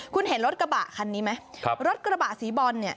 คุณเห็นรถกระบะคันนี้ไหมครับรถกระบะสีบอลเนี่ย